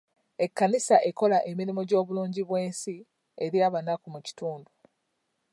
Ekkanisa ekola emirimu gy'obulungi bwansi eri abanaku mu kitundu.